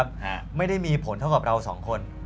เถอะครับไม่ได้มีผลเท่ากับเกี่ยวกับเรา๒คน